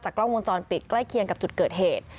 กล้องวงจรปิดใกล้เคียงกับจุดเกิดเหตุ